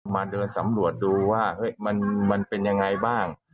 มาเดินสำรวจดูว่าเฮ้ยมันมันเป็นยังไงบ้าง